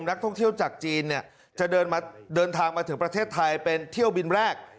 นักท่องเที่ยวจากจีนเนี่ยจะเดินทางมาถึงประเทศไทยเป็นเที่ยวบินแรก